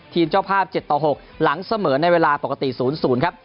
เจ้าภาพ๗ต่อ๖หลังเสมอในเวลาปกติ๐๐ครับ